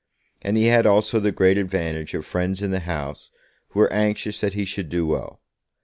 And he had also the great advantage of friends in the House who were anxious that he should do well.